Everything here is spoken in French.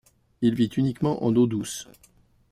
Il vit uniquement en eau douce.